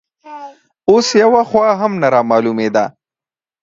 اوس یوه خوا هم نه رامالومېده